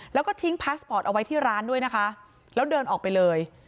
แล้วก็ทิ้งพาสปอร์ตเอาไว้ที่ร้านด้วยนะคะแล้วเดินออกไปเลย